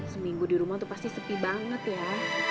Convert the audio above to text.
seminggu di rumah tuh pasti sepi banget ya